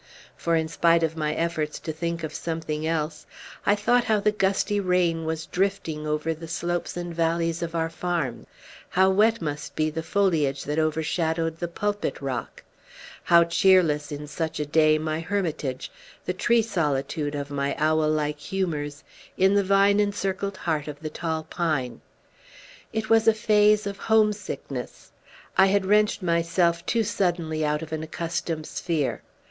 For, in spite of my efforts to think of something else, I thought how the gusty rain was drifting over the slopes and valleys of our farm; how wet must be the foliage that overshadowed the pulpit rock; how cheerless, in such a day, my hermitage the tree solitude of my owl like humors in the vine encircled heart of the tall pine! It was a phase of homesickness. I had wrenched myself too suddenly out of an accustomed sphere.